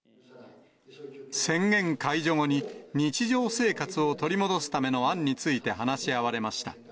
宣言解除後に、日常生活を取り戻すための案について話し合われました。